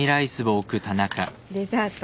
デザート？